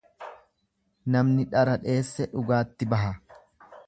Namni dhara dheesse dhugaatti baha.